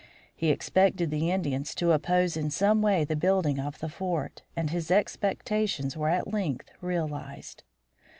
He expected the Indians to oppose in some way the building of the fort and his expectations were at length realized.